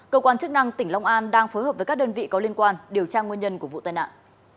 cơ quan chức năng tỉnh long an đang phối hợp với các đơn vị có liên quan điều tra nguyên nhân của vụ tai nạn